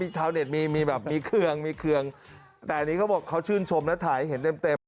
ชาวเน็ตมีมีแบบมีเครื่องมีเครื่องแต่อันนี้เขาบอกเขาชื่นชมแล้วถ่ายเห็นเต็ม